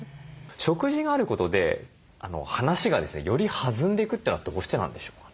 食事があることで話がですねより弾んでいくというのはどうしてなんでしょうか？